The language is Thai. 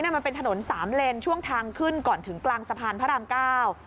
มันเป็นถนนสามเลนช่วงทางขึ้นก่อนถึงกลางสะพานพระรามเก้า